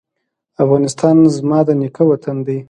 افغانستان زما د نیکه وطن دی؟